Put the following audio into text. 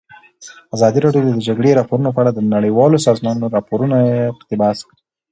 ازادي راډیو د د جګړې راپورونه په اړه د نړیوالو سازمانونو راپورونه اقتباس کړي.